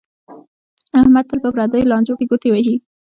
احمد تل په پردیو لانجو کې گوتې وهي